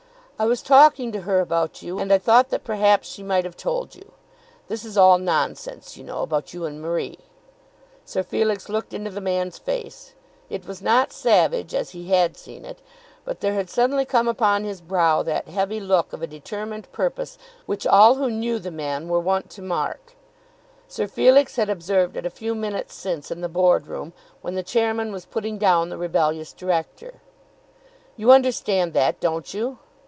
"I was talking to her about you, and I thought that perhaps she might have told you. This is all nonsense, you know, about you and Marie." Sir Felix looked into the man's face. It was not savage, as he had seen it. But there had suddenly come upon his brow that heavy look of a determined purpose which all who knew the man were wont to mark. Sir Felix had observed it a few minutes since in the Board room, when the chairman was putting down the rebellious director. "You understand that; don't you?"